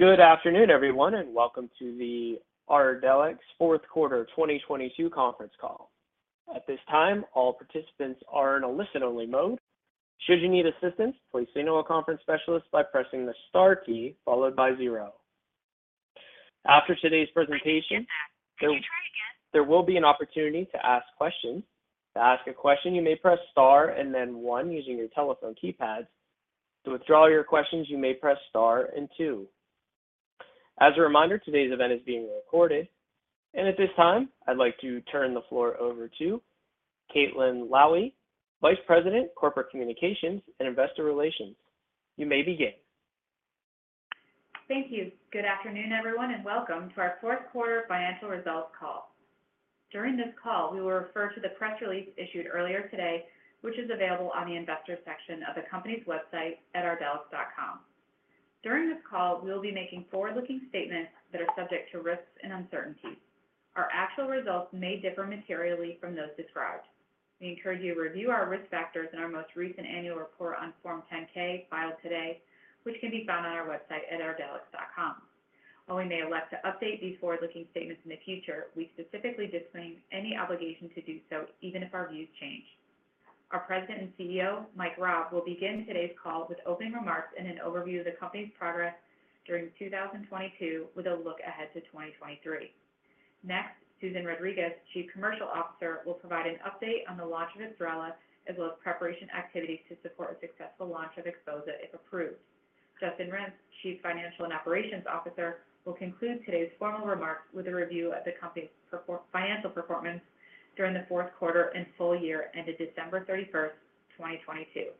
Good afternoon, everyone, and welcome to the Ardelyx fourth quarter 2022 conference call. At this time, all participants are in a listen-only mode. Should you need assistance, please signal a conference specialist by pressing the star key followed by 0. After today's presentation. I didn't get that. Can you try again? There will be an opportunity to ask questions. To ask a question, you may press star and then 1 using your telephone keypad. To withdraw your questions, you may press star and 2. As a reminder, today's event is being recorded. At this time, I'd like to turn the floor over to Caitlin Lowie, Vice President, Corporate Communications and Investor Relations. You may begin. Thank you. Good afternoon, everyone, welcome to our fourth quarter financial results call. During this call, we will refer to the press release issued earlier today, which is available on the investor section of the company's website at ardelyx.com. During this call, we will be making forward-looking statements that are subject to risks and uncertainties. Our actual results may differ materially from those described. We encourage you to review our risk factors in our most recent annual report on form 10-K filed today, which can be found on our website at ardelyx.com. While we may elect to update these forward-looking statements in the future, we specifically disclaim any obligation to do so even if our views change. Our President and CEO, Mike Raab, will begin today's call with opening remarks and an overview of the company's progress during 2022, with a look ahead to 2023. Susan Rodriguez, Chief Commercial Officer, will provide an update on the launch of IBSRELA, as well as preparation activities to support a successful launch of XPHOZAH, if approved. Justin Renz, Chief Financial and Operations Officer, will conclude today's formal remarks with a review of the company's financial performance during the fourth quarter and full year ended December thirty-first, 2022.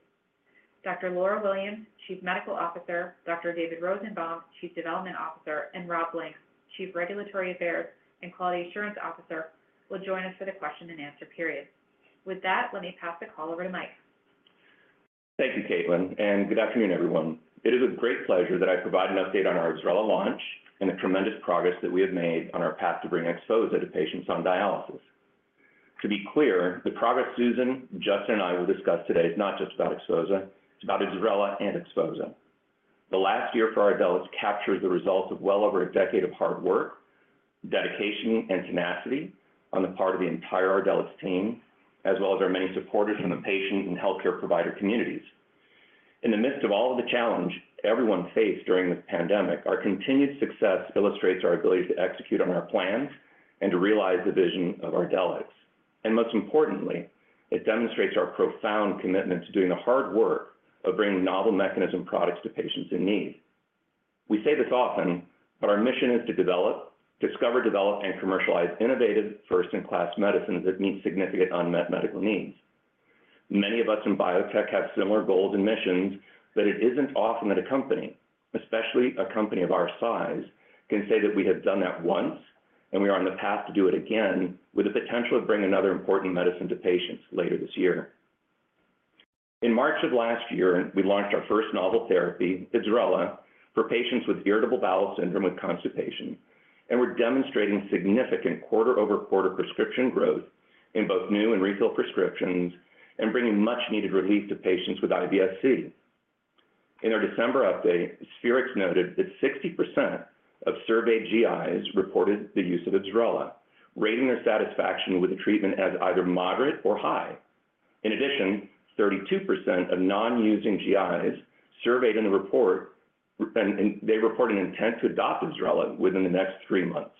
Dr. Laura Williams, Chief Medical Officer, Dr. David Rosenbaum, Chief Development Officer, and Rob Blanks, Chief Regulatory Affairs and Quality Assurance Officer, will join us for the question and answer period. Let me pass the call over to Mike. Thank you, Caitlin, good afternoon, everyone. It is with great pleasure that I provide an update on our IBSRELA launch and the tremendous progress that we have made on our path to bring XPHOZAH to patients on dialysis. To be clear, the progress Susan, Justin, and I will discuss today is not just about XPHOZAH, it's about IBSRELA and XPHOZAH. The last year for Ardelyx captures the results of well over a decade of hard work, dedication, and tenacity on the part of the entire Ardelyx team, as well as our many supporters from the patient and healthcare provider communities. In the midst of all of the challenge everyone faced during this pandemic, our continued success illustrates our ability to execute on our plans and to realize the vision of Ardelyx. Most importantly, it demonstrates our profound commitment to doing the hard work of bringing novel mechanism products to patients in need. We say this often, but our mission is to discover, develop, and commercialize innovative first in class medicines that meet significant unmet medical needs. Many of us in biotech have similar goals and missions, but it isn't often that a company, especially a company of our size, can say that we have done that once, and we are on the path to do it again with the potential to bring another important medicine to patients later this year. In March of last year, we launched our first novel therapy, IBSRELA, for patients with irritable bowel syndrome with constipation, and we're demonstrating significant quarter-over-quarter prescription growth in both new and refill prescriptions and bringing much needed relief to patients with IBS-C. In our December update, Spherix Global Insights noted that 60% of surveyed GIs reported the use of IBSRELA, rating their satisfaction with the treatment as either moderate or high. 32% of non-using GIs surveyed in the report and they report an intent to adopt IBSRELA within the next three-months.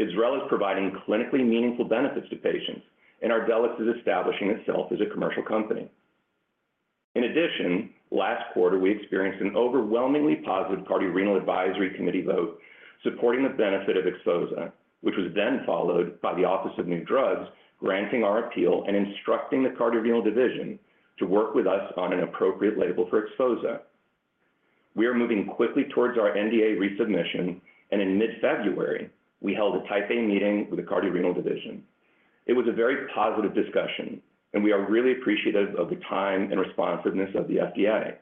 IBSRELA is providing clinically meaningful benefits to patients, Ardelyx is establishing itself as a commercial company. Last quarter, we experienced an overwhelmingly positive Cardiovascular and Renal Drugs Advisory Committee vote supporting the benefit of XPHOZAH, which was then followed by the Office of New Drugs granting our appeal and instructing the Division of Cardiology and Nephrology to work with us on an appropriate label for XPHOZAH. We are moving quickly towards our NDA resubmission, in mid-February, we held a Type A meeting with the Division of Cardiology and Nephrology. It was a very positive discussion, and we are really appreciative of the time and responsiveness of the FDA.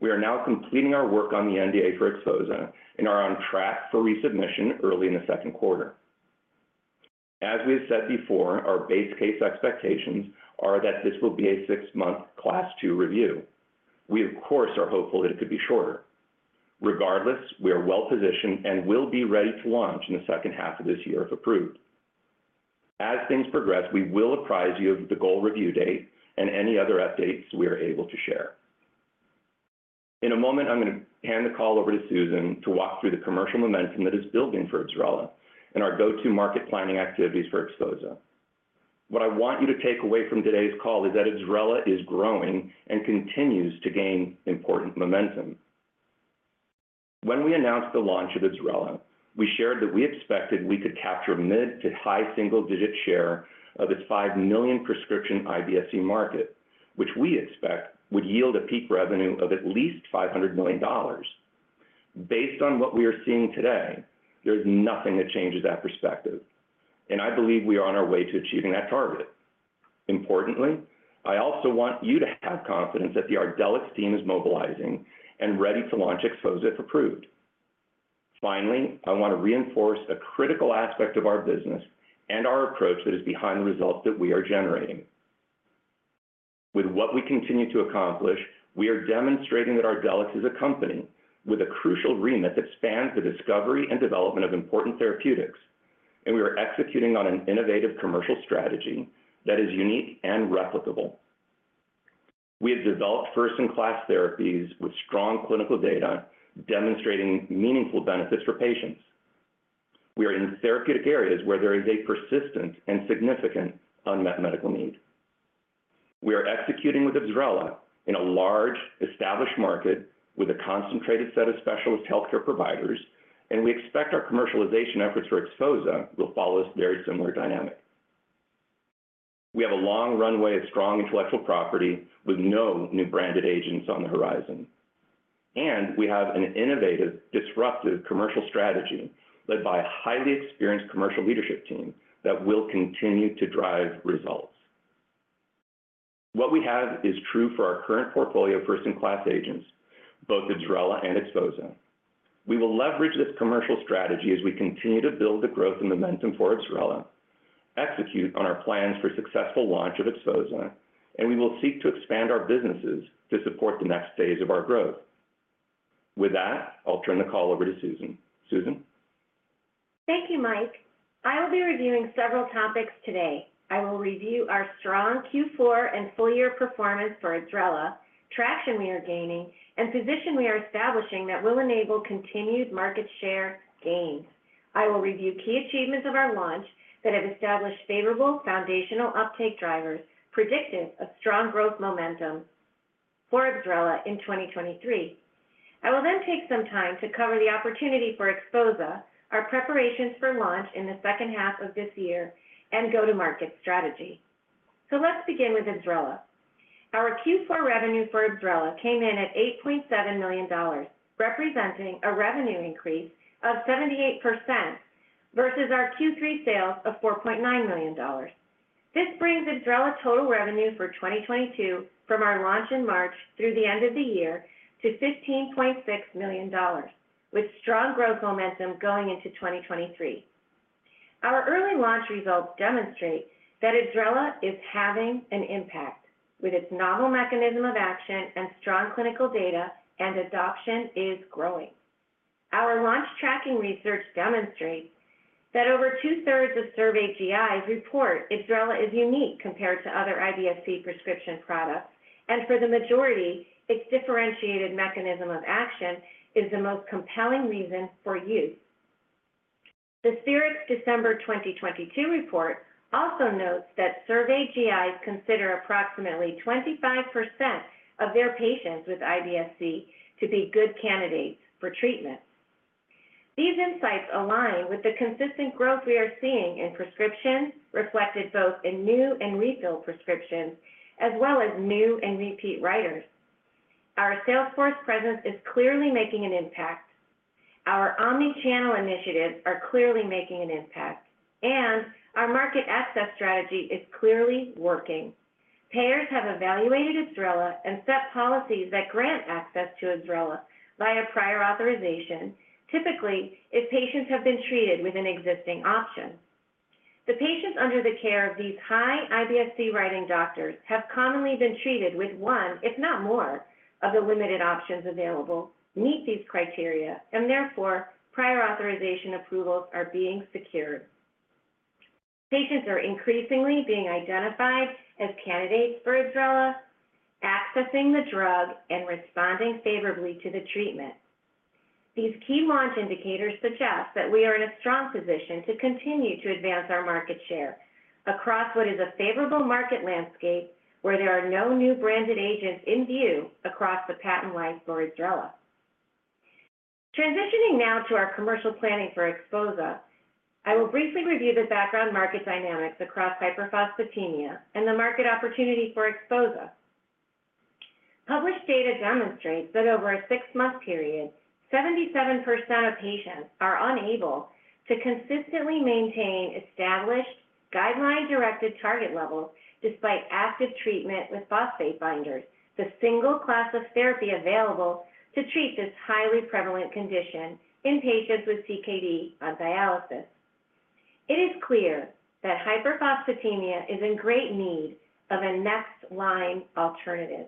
We are now completing our work on the NDA for XPHOZAH and are on track for resubmission early in the second quarter. As we have said before, our base case expectations are that this will be a six-month Class 2 review. We of course are hopeful that it could be shorter. Regardless, we are well-positioned and will be ready to launch in the second half of this year if approved. As things progress, we will apprise you of the goal review date and any other updates we are able to share. In a moment, I'm gonna hand the call over to Susan to walk through the commercial momentum that is building for IBSRELA and our go-to market planning activities for XPHOZAH. What I want you to take away from today's call is that IBSRELA is growing and continues to gain important momentum. When we announced the launch of IBSRELA, we shared that we expected we could capture mid-to-high single-digit share of its 5 million prescription IBS-C market, which we expect would yield a peak revenue of at least $500 million. Based on what we are seeing today, there's nothing that changes that perspective, and I believe we are on our way to achieving that target. Importantly, I also want you to have confidence that the Ardelyx team is mobilizing and ready to launch XPHOZAH if approved. I want to reinforce a critical aspect of our business and our approach that is behind the results that we are generating. With what we continue to accomplish, we are demonstrating that Ardelyx is a company with a crucial remit that spans the discovery and development of important therapeutics, and we are executing on an innovative commercial strategy that is unique and replicable. We have developed first-in-class therapies with strong clinical data demonstrating meaningful benefits for patients. We are in therapeutic areas where there is a persistent and significant unmet medical need. We are executing with IBSRELA in a large, established market with a concentrated set of specialist healthcare providers, and we expect our commercialization efforts for XPHOZAH will follow this very similar dynamic. We have a long runway of strong intellectual property with no new branded agents on the horizon. We have an innovative, disruptive commercial strategy led by a highly experienced commercial leadership team that will continue to drive results. What we have is true for our current portfolio of first-in-class agents, both IBSRELA and XPHOZAH. We will leverage this commercial strategy as we continue to build the growth and momentum for IBSRELA, execute on our plans for successful launch of XPHOZAH, and we will seek to expand our businesses to support the next phase of our growth. With that, I'll turn the call over to Susan. Susan? Thank you, Mike. I will be reviewing several topics today. I will review our strong Q4 and full-year performance for IBSRELA, traction we are gaining, and position we are establishing that will enable continued market share gains. I will review key achievements of our launch that have established favorable foundational uptake drivers predictive of strong growth momentum for IBSRELA in 2023. I will then take some time to cover the opportunity for XPHOZAH, our preparations for launch in the second half of this year, and go-to-market strategy. Let's begin with IBSRELA. Our Q4 revenue for IBSRELA came in at $8.7 million, representing a revenue increase of 78% versus our Q3 sales of $4.9 million. This brings IBSRELA total revenue for 2022 from our launch in March through the end of the year to $15.6 million, with strong growth momentum going into 2023. Our early launch results demonstrate that IBSRELA is having an impact with its novel mechanism of action and strong clinical data and adoption is growing. Our launch tracking research demonstrates that over two-thirds of surveyed GIs report IBSRELA is unique compared to other IBS-C prescription products, and for the majority, its differentiated mechanism of action is the most compelling reason for use. The Spherix's December 2022 report also notes that surveyed GIs consider approximately 25% of their patients with IBS-C to be good candidates for treatment. These insights align with the consistent growth we are seeing in prescriptions reflected both in new and refill prescriptions as well as new and repeat writers. Our sales force presence is clearly making an impact. Our omni-channel initiatives are clearly making an impact. Our market access strategy is clearly working. Payers have evaluated IBSRELA and set policies that grant access to IBSRELA via prior authorization, typically if patients have been treated with an existing option. The patients under the care of these high IBS-C writing doctors have commonly been treated with one, if not more, of the limited options available, meet these criteria, and therefore, prior authorization approvals are being secured. Patients are increasingly being identified as candidates for IBSRELA, accessing the drug, and responding favorably to the treatment. These key launch indicators suggest that we are in a strong position to continue to advance our market share across what is a favorable market landscape where there are no new branded agents in view across the patent life for IBSRELA. Transitioning now to our commercial planning for XPHOZAH, I will briefly review the background market dynamics across hyperphosphatemia and the market opportunity for XPHOZAH. Published data demonstrates that over a six-month period, 77% of patients are unable to consistently maintain established guideline-directed target levels despite active treatment with phosphate binders, the single class of therapy available to treat this highly prevalent condition in patients with CKD on dialysis. It is clear that hyperphosphatemia is in great need of a next line alternative.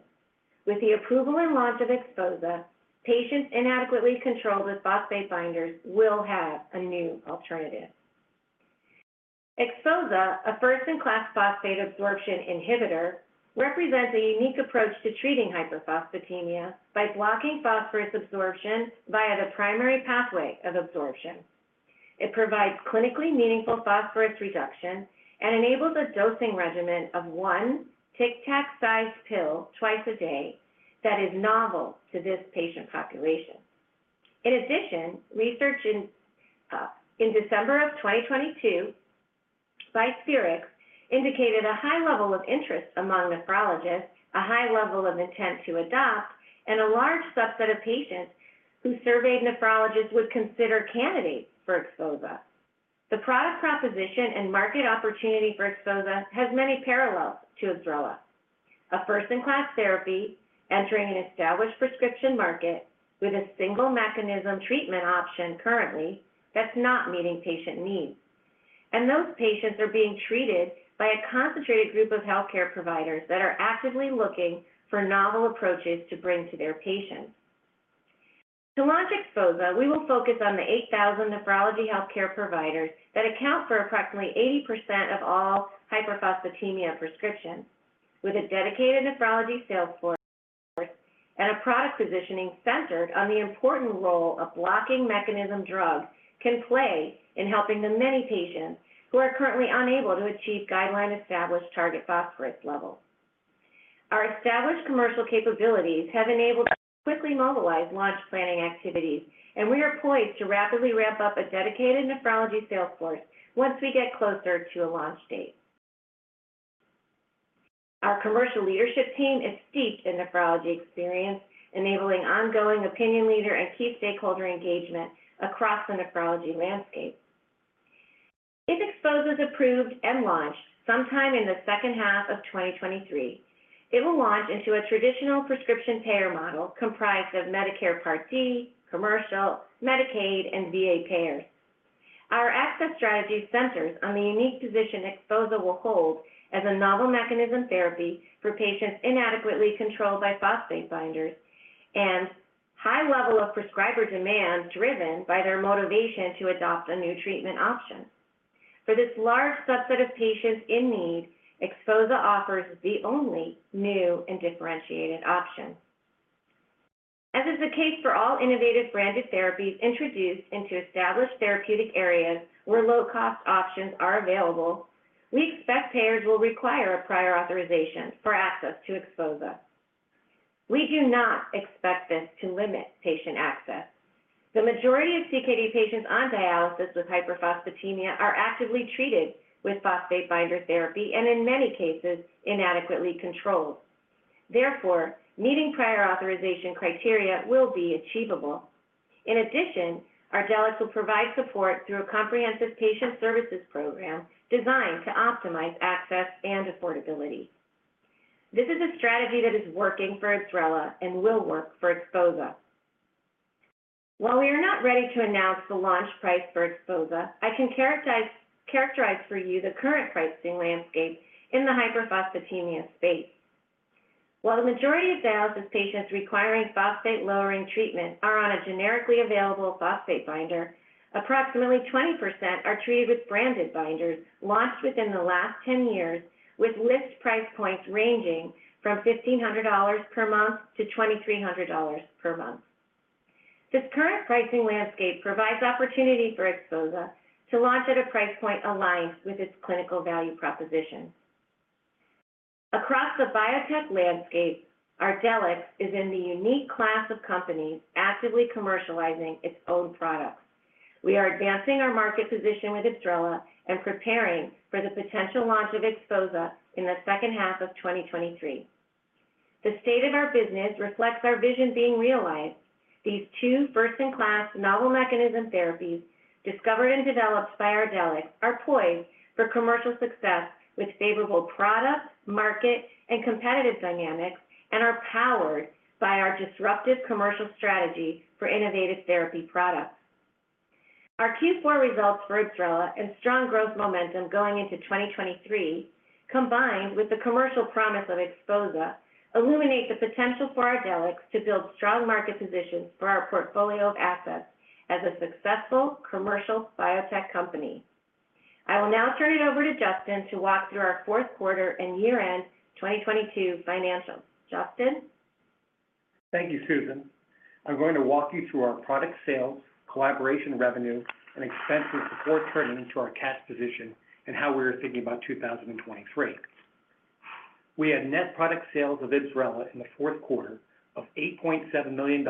With the approval and launch of XPHOZAH, patients inadequately controlled with phosphate binders will have a new alternative. XPHOZAH, a first-in-class phosphate absorption inhibitor, represents a unique approach to treating hyperphosphatemia by blocking phosphorus absorption via the primary pathway of absorption. It provides clinically meaningful phosphorus reduction and enables a dosing regimen of one Tic Tac-sized pill twice a day that is novel to this patient population. In addition, research in December of 2022 by Spherix indicated a high level of interest among nephrologists, a high level of intent to adopt, and a large subset of patients who surveyed nephrologists would consider candidates for XPHOZAH. The product proposition and market opportunity for XPHOZAH has many parallels to IBSRELA. A first-in-class therapy entering an established prescription market with a single mechanism treatment option currently that's not meeting patient needs. Those patients are being treated by a concentrated group of healthcare providers that are actively looking for novel approaches to bring to their patients. To launch XPHOZAH, we will focus on the 8,000 nephrology healthcare providers that account for approximately 80% of all hyperphosphatemia prescriptions. With a dedicated nephrology sales force and a product positioning centered on the important role a blocking mechanism drug can play in helping the many patients who are currently unable to achieve guideline-established target phosphorus levels. Our established commercial capabilities have enabled to quickly mobilize launch planning activities, and we are poised to rapidly ramp up a dedicated nephrology sales force once we get closer to a launch date. Our commercial leadership team is steeped in nephrology experience, enabling ongoing opinion leader and key stakeholder engagement across the nephrology landscape. If XPHOZAH is approved and launched sometime in the second half of 2023, it will launch into a traditional prescription payer model comprised of Medicare Part D, commercial, Medicaid, and VA payers. Our access strategy centers on the unique position XPHOZAH will hold as a novel mechanism therapy for patients inadequately controlled by phosphate binders and high level of prescriber demand driven by their motivation to adopt a new treatment option. For this large subset of patients in need, XPHOZAH offers the only new and differentiated option. As is the case for all innovative branded therapies introduced into established therapeutic areas where low-cost options are available, we expect payers will require a prior authorization for access to XPHOZAH. We do not expect this to limit patient access. The majority of CKD patients on dialysis with hyperphosphatemia are actively treated with phosphate binder therapy and in many cases, inadequately controlled. Therefore, meeting prior authorization criteria will be achievable. In addition, Ardelyx will provide support through a comprehensive patient services program designed to optimize access and affordability. This is a strategy that is working for IBSRELA and will work for XPHOZAH. While we are not ready to announce the launch price for XPHOZAH, I can characterize for you the current pricing landscape in the hyperphosphatemia space. While the majority of dialysis patients requiring phosphate-lowering treatment are on a generically available phosphate binder, approximately 20% are treated with branded binders launched within the last 10 years, with list price points ranging from $1,500 per month-$2,300 per month. This current pricing landscape provides opportunity for XPHOZAH to launch at a price point aligned with its clinical value proposition. Across the biotech landscape, Ardelyx is in the unique class of companies actively commercializing its own products. We are advancing our market position with IBSRELA and preparing for the potential launch of XPHOZAH in the second half of 2023. The state of our business reflects our vision being realized. These two first-in-class novel mechanism therapies discovered and developed by Ardelyx are poised for commercial success with favorable product, market, and competitive dynamics and are powered by our disruptive commercial strategy for innovative therapy products. Our Q4 results for IBSRELA and strong growth momentum going into 2023, combined with the commercial promise of XPHOZAH, illuminate the potential for Ardelyx to build strong market positions for our portfolio of assets as a successful commercial biotech company. I will now turn it over to Justin to walk through our fourth quarter and year-end 2022 financials. Justin? Thank you, Susan. I'm going to walk you through our product sales, collaboration revenue, and expenses before turning to our cash position and how we are thinking about 2023. We had net product sales of IBSRELA in the fourth quarter of $8.7 million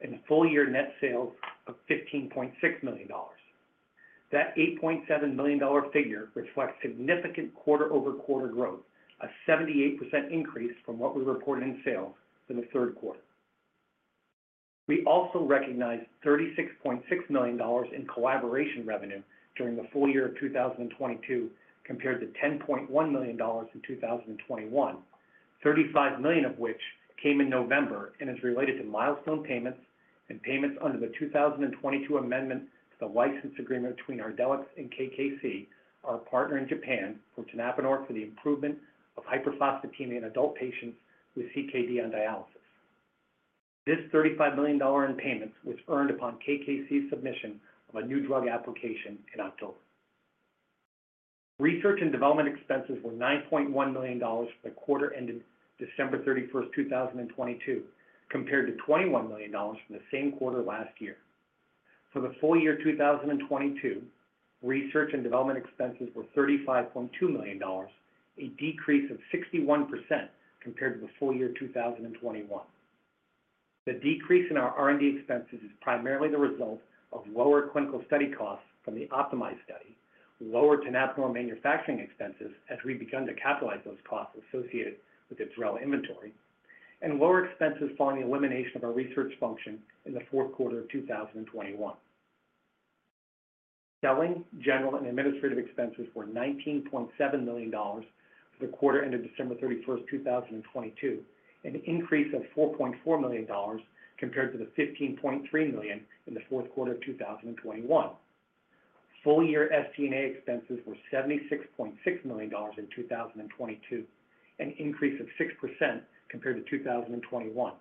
and full year net sales of $15.6 million. That $8.7 million figure reflects significant quarter-over-quarter growth, a 78% increase from what we reported in sales for the third quarter. We also recognized $36.6 million in collaboration revenue during the full year of 2022 compared to $10.1 million in 2021. $35 million of which came in November and is related to milestone payments and payments under the 2022 amendment to the license agreement between Ardelyx and KKC, our partner in Japan, for tenapanor for the improvement of hyperphosphatemia in adult patients with CKD on dialysis. This $35 million in payments was earned upon KKC's submission of a new drug application in October. Research and development expenses were $9.1 million for the quarter ending December 31, 2022, compared to $21 million from the same quarter last year. For the full year 2022, research and development expenses were $35.2 million, a decrease of 61% compared to the full year 2021. The decrease in our R&D expenses is primarily the result of lower clinical study costs from the optimized study, lower tenapanor manufacturing expenses as we begun to capitalize those costs associated with IBSRELA inventory, and lower expenses following the elimination of our research function in the fourth quarter of 2021. Selling, general, and administrative expenses were $19.7 million for the quarter ending December 31, 2022, an increase of $4.4 million compared to the $15.3 million in the fourth quarter of 2021. Full-year SG&A expenses were $76.6 million in 2022, an increase of 6% compared to 2021.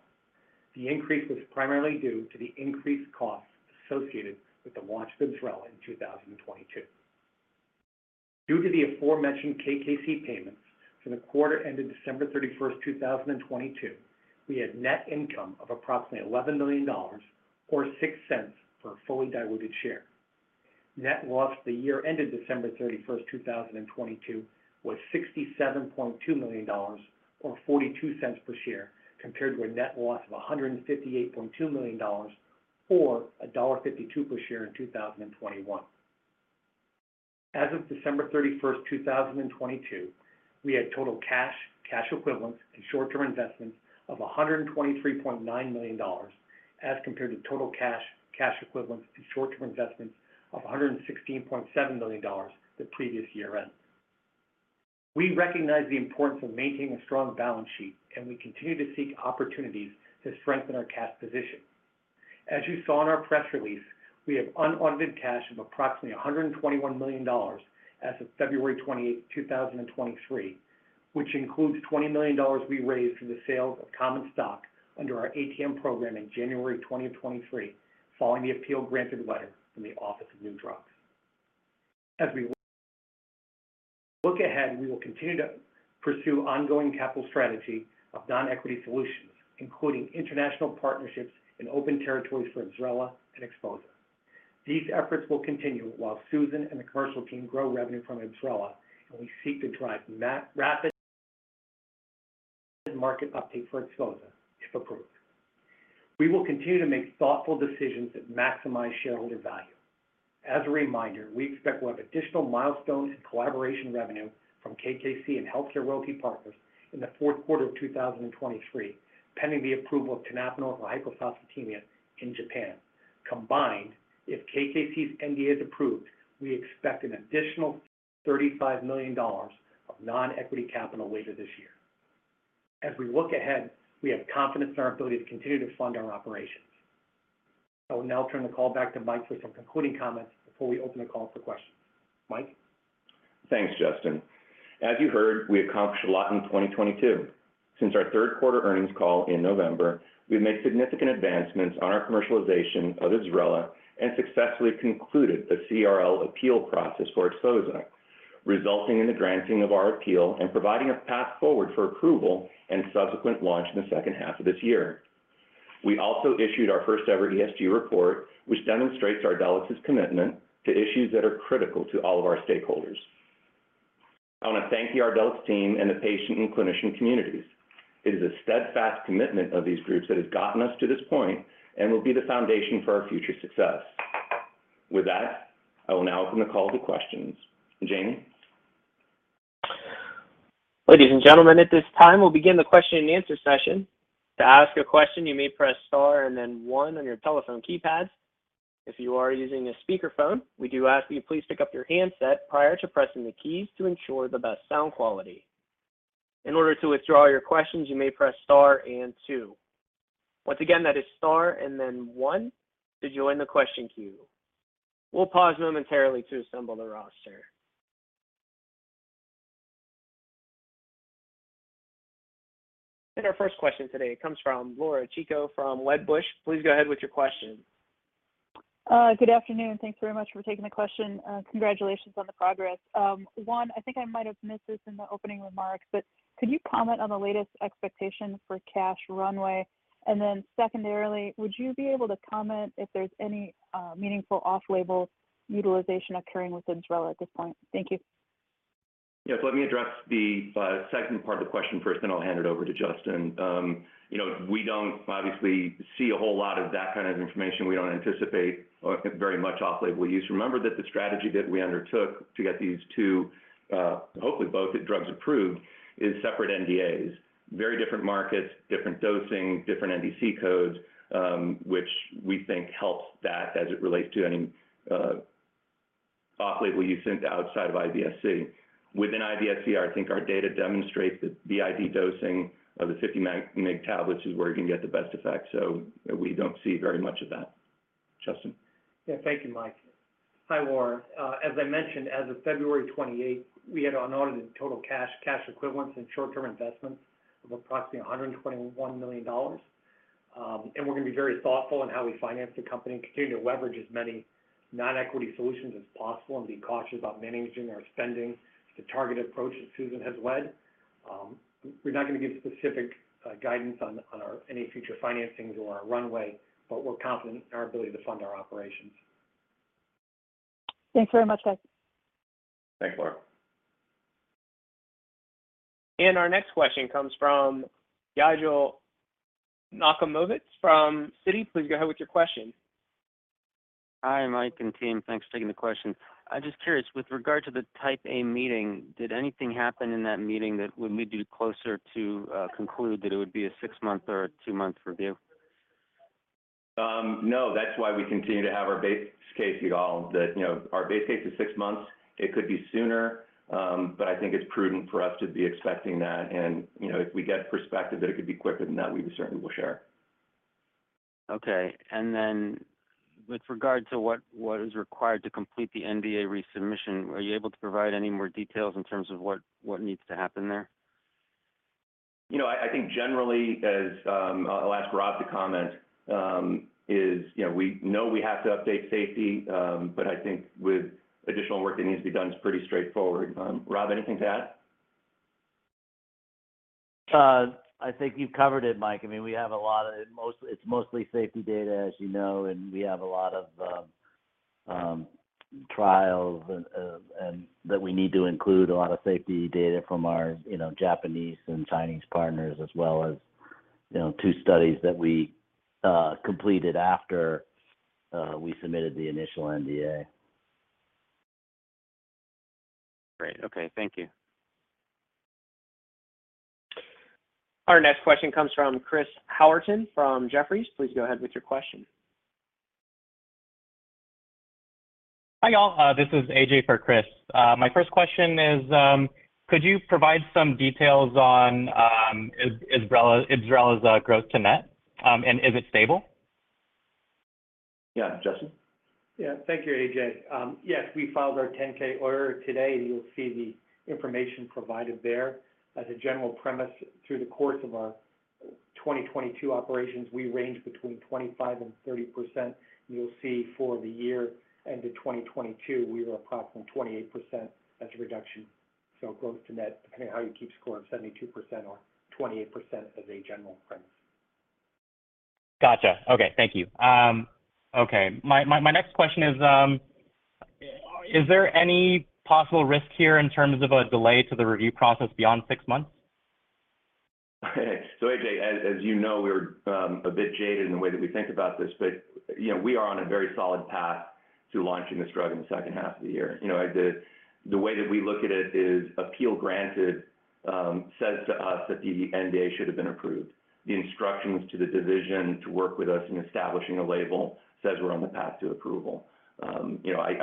The increase was primarily due to the increased costs associated with the launch of IBSRELA in 2022. Due to the aforementioned KKC payments for the quarter ending December 31, 2022, we had net income of approximately $11 million, or $0.06 per fully diluted share. Net loss for the year ending December 31, 2022 was $67.2 million, or $0.42 per share, compared to a net loss of $158.2 million, or $1.52 per share in 2021. As of December 31, 2022, we had total cash equivalents, and short-term investments of $123.9 million as compared to total cash equivalents, and short-term investments of $116.7 million the previous year-end. We recognize the importance of maintaining a strong balance sheet, and we continue to seek opportunities to strengthen our cash position. As you saw in our press release, we have unaudited cash of approximately $121 million as of February 28, 2023, which includes $20 million we raised through the sale of common stock under our ATM program in January 2023 following the appeal granted letter from the Office of New Drugs. As we look ahead, we will continue to pursue ongoing capital strategy of non-equity solutions, including international partnerships in open territories for IBSRELA and XPHOZAH. These efforts will continue while Susan and the commercial team grow revenue from IBSRELA, and we seek to drive rapid market uptake for XPHOZAH, if approved. We will continue to make thoughtful decisions that maximize shareholder value. As a reminder, we expect we'll have additional milestones and collaboration revenue from KKC and HealthCare Royalty Partners in the fourth quarter of 2023, pending the approval of tenapanor for hyperphosphatemia in Japan. Combined, if KKC's NDA is approved, we expect an additional $35 million of non-equity capital later this year. As we look ahead, we have confidence in our ability to continue to fund our operations. I will now turn the call back to Mike for some concluding comments before we open the call for questions. Mike? Thanks, Justin. As you heard, we accomplished a lot in 2022. Since our 3rd quarter earnings call in November, we've made significant advancements on our commercialization of IBSRELA and successfully concluded the CRL appeal process for XPHOZAH, resulting in the granting of our appeal and providing a path forward for approval and subsequent launch in the 2nd half of this year. We also issued our first-ever ESG report, which demonstrates Ardelyx' commitment to issues that are critical to all of our stakeholders. I want to thank the Ardelyx team and the patient and clinician communities. It is the steadfast commitment of these groups that has gotten us to this point and will be the foundation for our future success. With that, I will now open the call to questions. Jamie? Ladies and gentlemen, at this time, we'll begin the question and answer session. To ask a question, you may press star and then 1 on your telephone keypad. If you are using a speakerphone, we do ask that you please pick up your handset prior to pressing the keys to ensure the best sound quality. In order to withdraw your questions, you may press star and 2. Once again, that is star and then 1 to join the question queue. We'll pause momentarily to assemble the roster. Our first question today comes from Laura Chico from Wedbush. Please go ahead with your question. Good afternoon. Thanks very much for taking the question. Congratulations on the progress. One, I think I might have missed this in the opening remarks, but could you comment on the latest expectation for cash runway? Secondarily, would you be able to comment if there's any meaningful off-label utilization occurring with IBSRELA at this point? Thank you. Yes. Let me address the second part of the question first, then I'll hand it over to Justin. You know, we don't obviously see a whole lot of that kind of information. We don't anticipate very much off-label use. Remember that the strategy that we undertook to get these two, hopefully both drugs approved is separate NDAs. Very different markets, different dosing, different NDC codes, which we think helps that as it relates to any off-label use since outside of IBS-C. Within IBS-C, I think our data demonstrates that the ID dosing of the 50 mg tablets is where you can get the best effect. We don't see very much of that. Justin? Yeah. Thank you, Mike. Hi, Laura. As I mentioned, as of February 28, we had unaudited total cash equivalents, and short-term investments of approximately $121 million. We're gonna be very thoughtful in how we finance the company and continue to leverage as many non-equity solutions as possible and be cautious about managing our spending. It's a targeted approach that Susan has led. We're not gonna give specific guidance on any future financings or our runway, but we're confident in our ability to fund our operations. Thanks very much, guys. Thanks, Laura. Our next question comes from Yaron Werber from Citi. Please go ahead with your question. Hi, Mike and team. Thanks for taking the question. I'm just curious, with regard to the Type A meeting, did anything happen in that meeting that would lead you closer to conclude that it would be a six-month or a two-month review? No. That's why we continue to have our base case be all that—you know, our base case is six-months. It could be sooner, but I think it's prudent for us to be expecting that. You know, if we get perspective that it could be quicker than that, we certainly will share. Okay. Then with regard to what is required to complete the NDA resubmission, are you able to provide any more details in terms of what needs to happen there? You know, I think generally as, I'll ask Rob to comment, is, you know, we know we have to update safety, I think with additional work that needs to be done, it's pretty straightforward. Rob, anything to add? I think you've covered it, Mike. I mean, we have a lot of—it's mostly safety data, as you know, and we have a lot of trials and that we need to include a lot of safety data from our, you know, Japanese and Chinese partners as well as, you know, two studies that we completed after we submitted the initial NDA. Great. Okay. Thank you. Our next question comes from Chris Howerton from Jefferies. Please go ahead with your question. Hi, y'all. This is AJ for Chris. My first question is, could you provide some details on IBSRELA's gross to net, and is it stable? Yeah. Justin? Yeah. Thank you, AJ. Yes, we filed our 10-K order today. You'll see the information provided there. As a general premise, through the course of our 2022 operations, we range between 25% and 30%. You'll see for the year end of 2022, we were approximately 28% as a reduction. Gross to net, depending on how you keep score, 72% or 28% as a general premise. Gotcha. Okay. Thank you. Okay. My next question is there any possible risk here in terms of a delay to the review process beyond six-months? AJ, as you know, we're a bit jaded in the way that we think about this, you know, we are on a very solid path to launching this drug in the second half of the year. You know, the way that we look at it is appeal granted says to us that the NDA should have been approved. The instructions to the division to work with us in establishing a label says we're on the path to approval. You know, I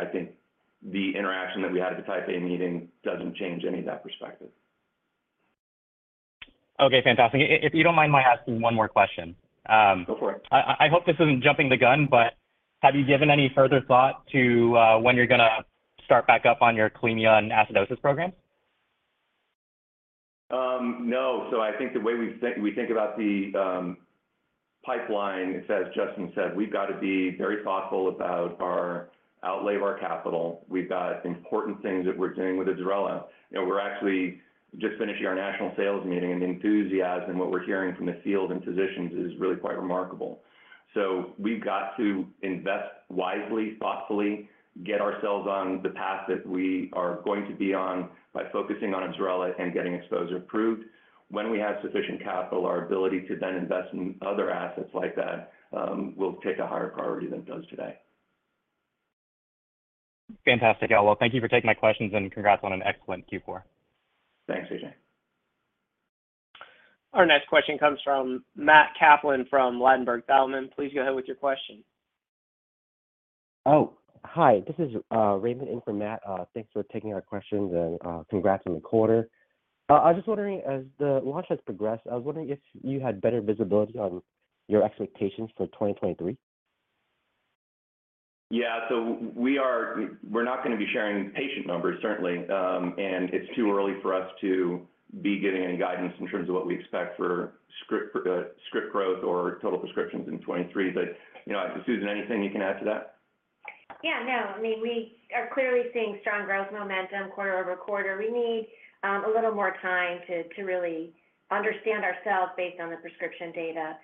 think the interaction that we had at the Type A meeting doesn't change any of that perspective. Okay. Fantastic. If you don't mind my asking one more question? Go for it. I hope this isn't jumping the gun, but have you given any further thought to, when you're gonna start back up on your hyperkalemia and acidosis program? No. I think the way we think about the pipeline, as Justin said, we've got to be very thoughtful about our outlay of our capital. We've got important things that we're doing with IBSRELA. You know, we're actually just finishing our national sales meeting, and the enthusiasm, what we're hearing from the field and physicians is really quite remarkable. We've got to invest wisely, thoughtfully, get ourselves on the path that we are going to be on by focusing on IBSRELA and getting XPHOZAH approved. When we have sufficient capital, our ability to then invest in other assets like that will take a higher priority than it does today. Fantastic. Yeah. Well, thank you for taking my questions. Congrats on an excellent Q4. Thanks, AJ. Our next question comes from Matt Kaplan from Ladenburg Thalmann. Please go ahead with your question. Hi. This is Raymond in for Matt. Thanks for taking our questions and congrats on the quarter. I was just wondering, as the launch has progressed, I was wondering if you had better visibility on your expectations for 2023. We're not gonna be sharing patient numbers, certainly. It's too early for us to be giving any guidance in terms of what we expect for script growth or total prescriptions in 2023. You know, Susan, anything you can add to that? Yeah. No. I mean, we are clearly seeing strong growth momentum quarter-over-quarter. We need a little more time to really understand ourselves based on the prescription data,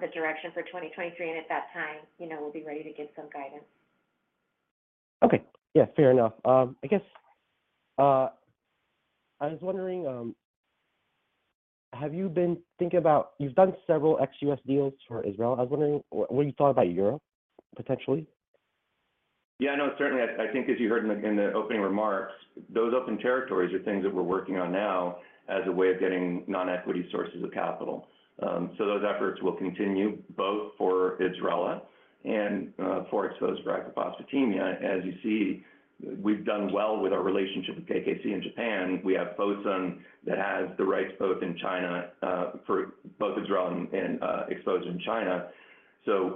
the direction for 2023, and at that time, you know, we'll be ready to give some guidance. Okay. Yeah, fair enough. I guess, I was wondering, have you been thinking about. You've done several ex-U.S. deals for IBSRELA. I was wondering what do you thought about Europe, potentially? Yeah. No, certainly. I think as you heard in the, in the opening remarks, those open territories are things that we're working on now as a way of getting non-equity sources of capital. Those efforts will continue both for IBSRELA and for XPHOZAH for hyperphosphatemia. As you see, we've done well with our relationship with KKC in Japan. We have Fosun that has the rights both in China for both IBSRELA and XPHOZAH in China.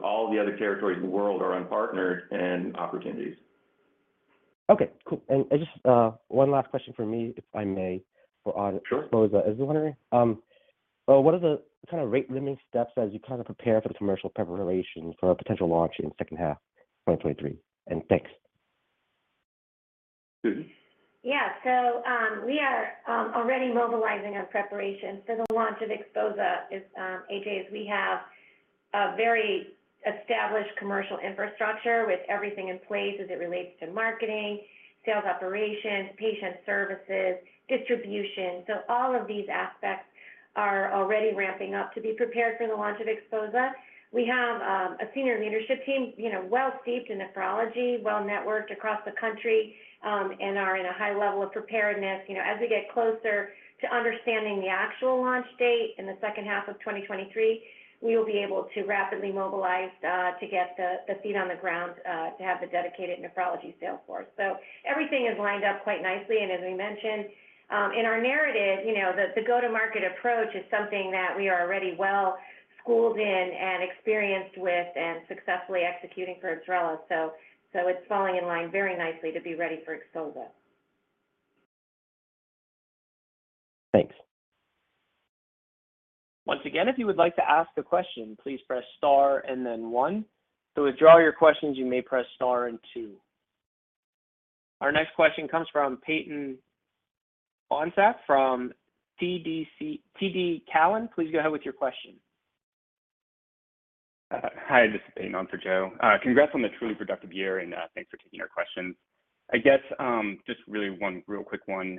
All the other territories in the world are unpartnered and opportunities. Okay. Cool. just, one last question from me, if I may. For on. Sure. XPHOZAH. I was wondering, what are the kind of rate limiting steps as you kind of prepare for the commercial preparation for a potential launch in the second half of 2023? Thanks. Susan? Yeah. We are already mobilizing our preparation for the launch of XPHOZAH is AJ, as we have a very established commercial infrastructure with everything in place as it relates to marketing, sales operations, patient services, distribution. All of these aspects are already ramping up to be prepared for the launch of XPHOZAH. We have a senior leadership team, you know, well steeped in nephrology, well networked across the country, and are in a high level of preparedness. You know, as we get closer to understanding the actual launch date in the second half of 2023, we will be able to rapidly mobilize to get the feet on the ground to have the dedicated nephrology sales force. Everything is lined up quite nicely. As we mentioned, in our narrative, you know, the go-to-market approach is something that we are already well schooled in and experienced with and successfully executing for IBSRELA. So it's falling in line very nicely to be ready for XPHOZAH. Thanks. Once again, if you would like to ask a question, please press star and then one. To withdraw your questions, you may press star and two. Our next question comes from Peyton Bohnsack from TD Cowen. Please go ahead with your question. Hi, this is Peyton Bohnsack. Congrats on the truly productive year and thanks for taking our questions. I guess, just really one real quick one.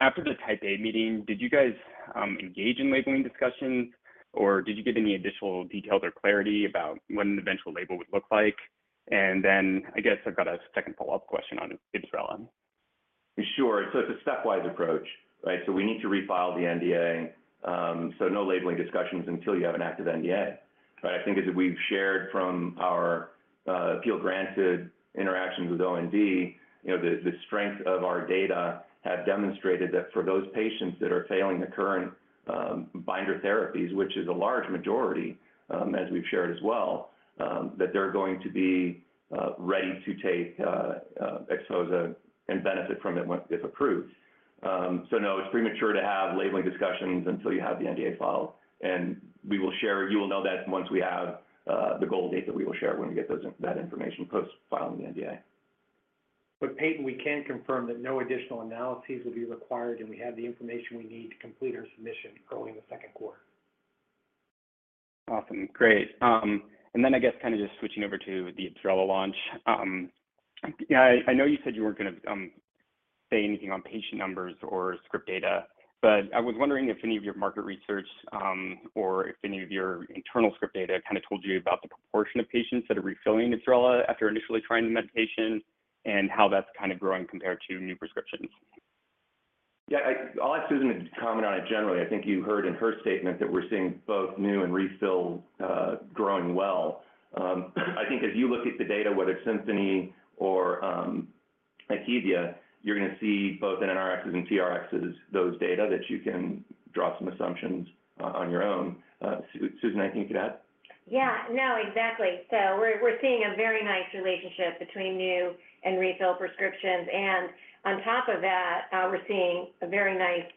After the Type A meeting, did you guys engage in labeling discussions, or did you get any additional details or clarity about what an eventual label would look like? I guess I've got a second follow-up question on XPHOZAH. It's a stepwise approach, right? No labeling discussions until you have an active NDA, right? I think as we've shared from our appeal granted interactions with OND, you know, the strength of our data have demonstrated that for those patients that are failing the current binder therapies, which is a large majority, as we've shared as well, that they're going to be ready to take XPHOZAH and benefit from it if approved. No, it's premature to have labeling discussions until you have the NDA filed. You will know that once we have the goal date that we will share when we get that information post-filing the NDA. Peyton, we can confirm that no additional analyses will be required, and we have the information we need to complete our submission early in the second quarter. Awesome. Great. I guess kind of just switching over to the XPHOZAH launch. I know you said you weren't gonna say anything on patient numbers or script data, but I was wondering if any of your market research or if any of your internal script data kind of told you about the proportion of patients that are refilling XPHOZAH after initially trying the medication and how that's kind of growing compared to new prescriptions? Yeah, I'll ask Susan to comment on it generally. I think you heard in her statement that we're seeing both new and refill growing well. I think if you look at the data, whether Symphony or IQVIA, you're gonna see both NBRxs and TRxs, those data that you can draw some assumptions on your own. Susan, anything you can add? Yeah, no, exactly. We're seeing a very nice relationship between new and refill prescriptions. On top of that, we're seeing a very nice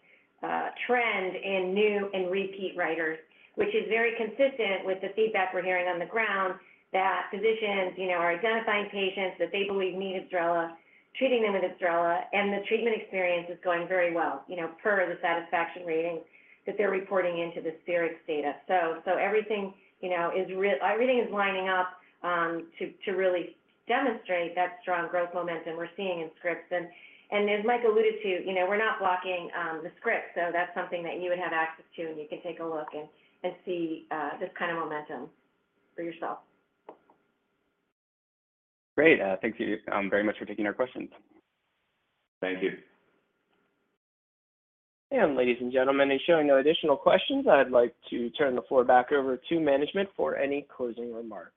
trend in new and repeat writers, which is very consistent with the feedback we're hearing on the ground that physicians, you know, are identifying patients that they believe need XPHOZAH, treating them with XPHOZAH, and the treatment experience is going very well, you know, per the satisfaction rating that they're reporting into the Spherix data. Everything, you know, is lining up to really demonstrate that strong growth momentum we're seeing in scripts. As Mike alluded to, you know, we're not blocking the script. That's something that you would have access to, and you can take a look and see this kind of momentum for yourself. Great. Thank you, very much for taking our questions. Thank you. Ladies and gentlemen, showing no additional questions, I'd like to turn the floor back over to management for any closing remarks.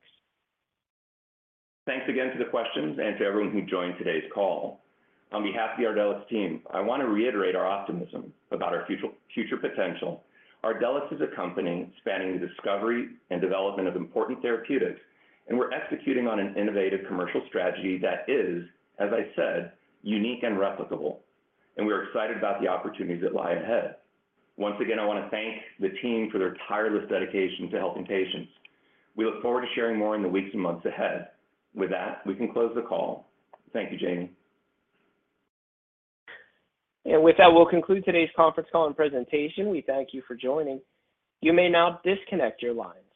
Thanks again for the questions and to everyone who joined today's call. On behalf of the Ardelyx team, I want to reiterate our optimism about our future potential. Ardelyx is a company spanning the discovery and development of important therapeutics, we're executing on an innovative commercial strategy that is, as I said, unique and replicable, we're excited about the opportunities that lie ahead. Once again, I want to thank the team for their tireless dedication to helping patients. We look forward to sharing more in the weeks and months ahead. With that, we can close the call. Thank you, Jamie. With that, we'll conclude today's conference call and presentation. We thank you for joining. You may now disconnect your lines.